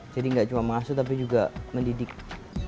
jadi nggak cuma mengasuh tapi juga mendidik